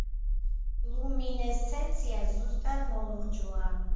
ლუმინესცენცია სუსტად მოლურჯოა.